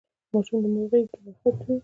ماشوم د مور غیږکې راحت وي.